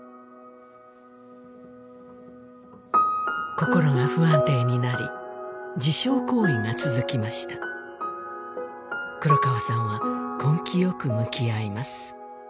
心が不安定になり自傷行為が続きました黒川さんは根気よく向き合います